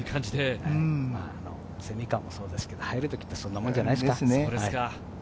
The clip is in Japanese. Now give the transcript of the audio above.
蝉川もそうですけれど、入る時ってそんなものじゃないですか。